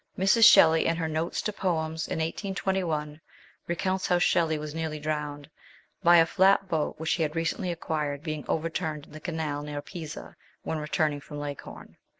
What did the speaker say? Mrs. Shelley, in her Notes to Poems in 1821, re counts how Shelley was nearly drowned, by a flat boat which he had recently acquired being overturned in the canal near Pisa, when returning from Leghorn.